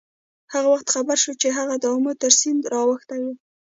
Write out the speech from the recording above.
هغه وخت خبر شو چې هغوی د آمو تر سیند را اوښتي وو.